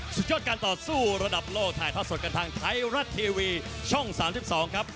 สุดยอดการต่อสู้ระดับโลกถ่ายทอดสดกันทางไทยรัฐทีวีช่อง๓๒ครับ